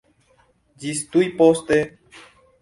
Ĝis tuj poste!